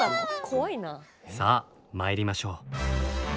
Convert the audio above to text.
さあ参りましょう。